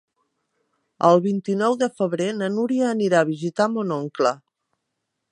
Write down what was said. El vint-i-nou de febrer na Núria anirà a visitar mon oncle.